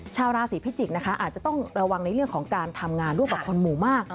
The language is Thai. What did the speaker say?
ชาวราศีพิจิกษ์นะคะอาจจะต้องระวังในเรื่องของการทำงานร่วมกับคนหมู่มาก